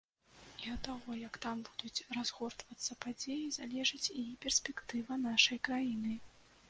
І ад таго, як там будуць разгортвацца падзеі, залежыць і перспектыва нашай краіны.